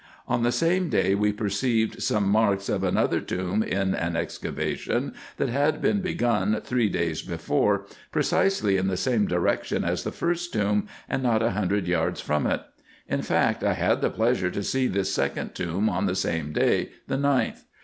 On the same day we perceived some marks of g g 2 228 RESEARCHES AND OPERATIONS another tomb in an excavation, that had been begun three days before, precisely in the same direction as the first tomb, and not a hundred yards from it. In fact, I had the pleasure to see this second tomb on the same day, the 9th.